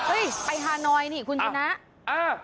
เฮ้ยไปฮานอยนี่คุณธุน้า